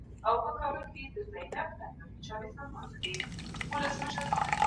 هر څوک خپل نوم او شخصیت لري.